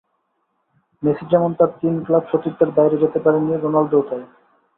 Messi যেমন তাঁর তিন ক্লাব সতীর্থের বাইরে যেতে পারেননি, রোনালদোও তা-ই।